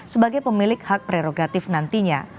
sebagai pemilik hak prerogatif nantinya